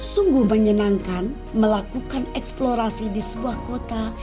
sungguh menyenangkan melakukan eksplorasi di sebuah kota